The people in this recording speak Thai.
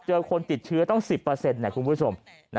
คนติดเชื้อต้อง๑๐นะคุณผู้ชม